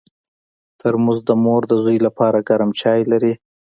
ترموز د مور د زوی لپاره ګرم چای لري.